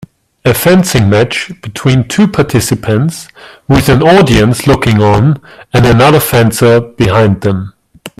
A fencing match between two participants with an audience looking on and another fencer behind them.